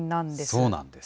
そうなんです。